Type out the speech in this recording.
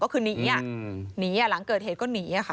ก็คือนี้หลังเกิดเหตุก็หนี